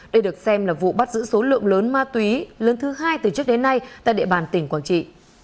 đây được xem là vụ bắt giữ số lượng lớn ma túy lớn thứ hai từ trước đến nay tại địa bàn tỉnh quảng trị